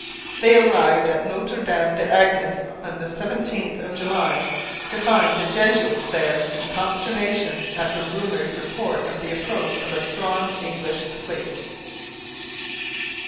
They arrived at Notre Dame des Anges on the 17th of July, to find the Jesuits there in consternation at the rumoured report of the approach of a strong English fleet.